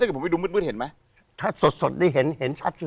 ถ้าเกิดผมไปดูมืดมืดเห็นไหมถ้าสดสดได้เห็นเห็นชัดเลยครับ